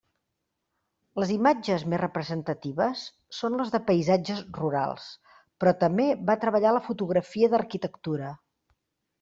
Les imatges més representatives són les de paisatges rurals, però també va treballar la fotografia d'arquitectura.